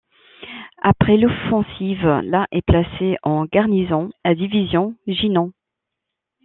Après l'offensive, la est placée en garnison à division Jinan.